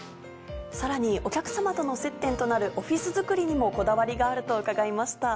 さらにお客さまとの接点となるオフィスづくりにもこだわりがあると伺いました。